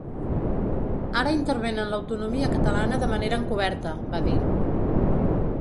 Ara intervenen l’autonomia catalana de manera encoberta, va dir.